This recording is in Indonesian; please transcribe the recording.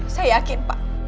saya yakin pak